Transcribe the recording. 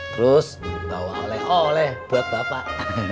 terus bawa oleh oleh buat bapak